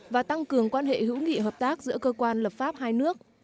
và tăng cường quan hệ hữu nghị hợp tác giữa cơ quan lập pháp hai nước